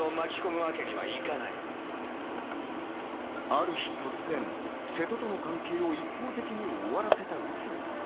ある日、突然、瀬戸との関係を一方的に終わらせた内海。